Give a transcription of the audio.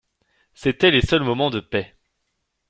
C'étaient les seuls moments de paix.